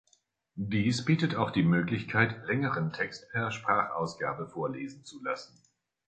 Dies bietet auch die Möglichkeit, längeren Text per Sprachausgabe vorlesen zu lassen.